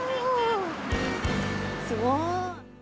すごい。